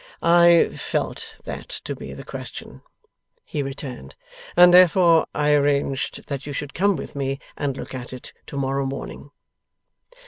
'I felt that to be the question,' he returned, 'and therefore I arranged that you should come with me and look at it, to morrow morning.